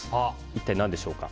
一体何でしょうか？